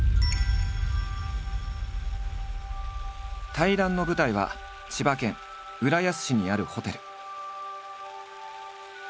対談の舞台は千葉県浦安市にあるホテル。